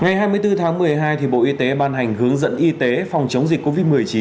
ngày hai mươi bốn tháng một mươi hai bộ y tế ban hành hướng dẫn y tế phòng chống dịch covid một mươi chín